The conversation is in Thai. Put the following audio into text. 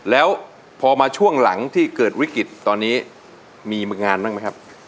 แล้วพอมาช่วงหลังที่เกิดวิกฤตตอนนี้มีงานบ้างไหมครับ